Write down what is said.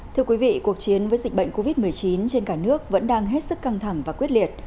thưa quý vị cuộc chiến với dịch bệnh covid một mươi chín trên cả nước vẫn đang hết sức căng thẳng và quyết liệt